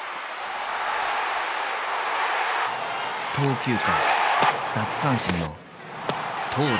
投球回奪三振の投打